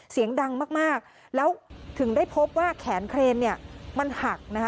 เสียงดังมากแล้วถึงได้พบว่าแขนเครนมันหัก